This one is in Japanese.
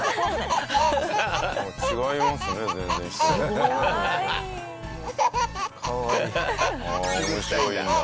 すごいね。